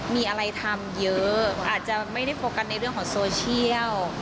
มีอะไรทำเยอะอาจจะไม่ได้โฟกัสในเรื่องของโซเชียล